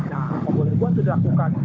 nah pembun ribuan itu dilakukan